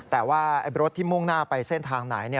แต่ว่ารถที่มุ่งหน้าไปเส้นทางไหน